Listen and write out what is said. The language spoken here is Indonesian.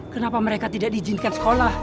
kenapa mereka tidak di jinkan sekolah